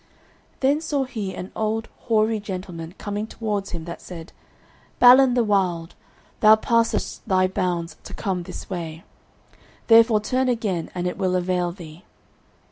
Then saw he an old hoary gentleman coming towards him that said, "Balin the Wild, thou passest thy bounds to come this way; therefore turn again and it will avail thee."